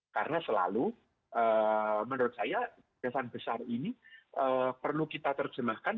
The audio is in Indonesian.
karena selalu menurut saya kegiatan besar ini perlu kita terjemahkan